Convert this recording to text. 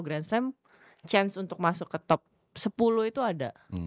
grand slam chance untuk masuk ke top sepuluh itu ada